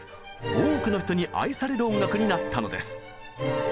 多くの人に愛される音楽になったのです。